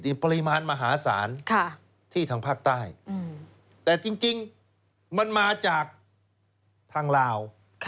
ปริมาณมหาศาลที่ทางภาคใต้แต่จริงมันมาจากทางลาว